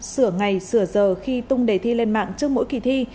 sửa ngày sửa giờ khi tung đề thi lên mạng trước mỗi kỳ thi